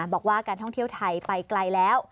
บอกว่าการท่องเที่ยวไทยไปไกลแล้ว